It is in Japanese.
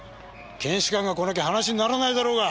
検視官が来なきゃ話にならないだろうが！